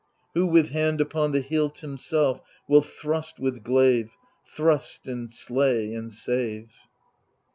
Who with hand upon the hilt himself will thrust with glaive. Thrust and slay and save